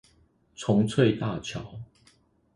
重翠大橋